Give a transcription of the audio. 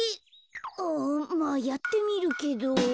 うんまあやってみるけど。